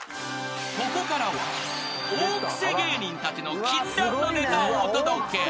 ［ここからは大クセ芸人たちの禁断のネタをお届け。